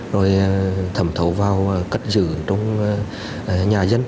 rồi thẩm thấu vào cất giữ trong nhà dân